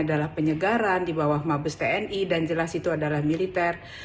adalah penyegaran di bawah mabes tni dan jelas itu adalah militer